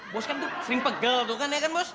bos kan tuh sering pegel tuh kan ya kan bos